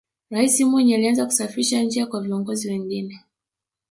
raisi mwinyi alianza kusafisha njia kwa viongozi wengine